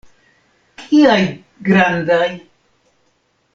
Kiaj grandaj!